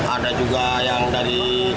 ada juga yang dari